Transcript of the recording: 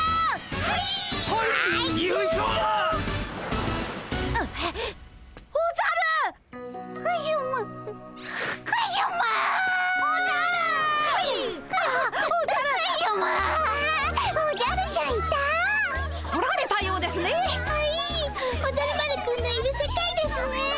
はいおじゃる丸くんのいる世界ですね。